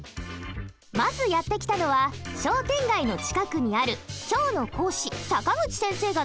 まずやって来たのは商店街の近くにある今日の講師坂口先生が勤める高校。